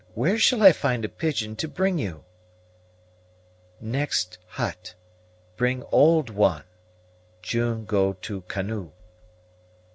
Where shall I find a pigeon to bring you?" "Next hut; bring old one; June go to canoe."